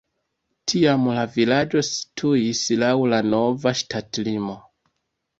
Tiam la vilaĝo situis laŭ la nova ŝtatlimo.